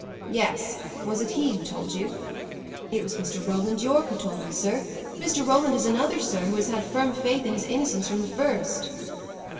"Yes. Was it he who told you?" "It was Mr. Roland Yorke who told me, sir. Mr. Roland is another, sir, who has had firm faith in his innocence from the first."